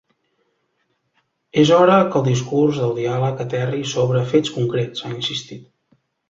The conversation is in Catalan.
És hora que el discurs del diàleg aterri sobre fets concrets, ha insistit.